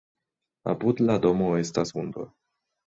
Apud la domo estas hundo.